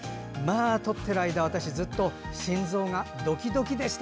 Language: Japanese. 撮っている間、ずっと心臓がドキドキでした。